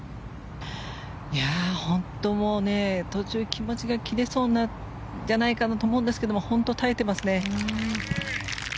本当、もう途中気持ちが切れそうになるんじゃないかと思うんですが本当に耐えていますね。